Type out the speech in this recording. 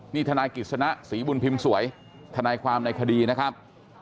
นี่ทนายกิจสนะศรีบุญพิมพ์สวยทนายความในคดีนะครับ